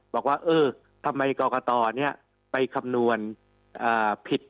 บอกว่าเออทำไมกรกตไปคำนวณผิด